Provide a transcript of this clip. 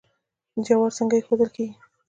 جوار څنګه ایښودل کیږي؟